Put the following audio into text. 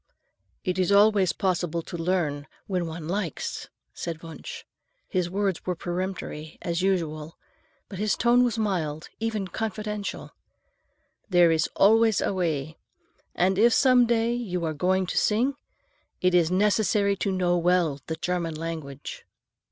"It is always possible to learn when one likes," said Wunsch. His words were peremptory, as usual, but his tone was mild, even confidential. "There is always a way. And if some day you are going to sing, it is necessary to know well the German language."